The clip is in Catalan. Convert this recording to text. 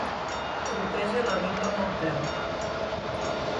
Colpeja la bimba amb el peu.